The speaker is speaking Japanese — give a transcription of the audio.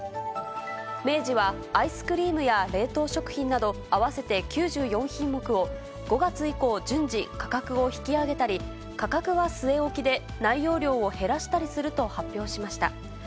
明治は、アイスクリームや冷凍食品など合わせて９４品目を、５月以降、順次価格を引き上げたり、価格は据え置きで、内容量を減らしたりすると発表しました。